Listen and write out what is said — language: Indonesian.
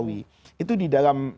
itu di dalam